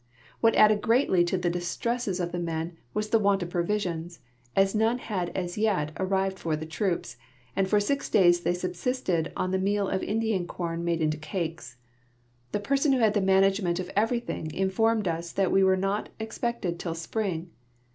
What added greatly to the distresses of the men Avas the AA ant of provisions, as none had as yet ar rived for the troops, and for six days they subsisted on the meal of Indian corn made into cakes. The person Avho had the management of every thing informed us that Ave Avere not expected till spring.